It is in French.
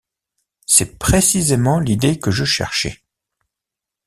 C’est précisément l’idée que je cherchais.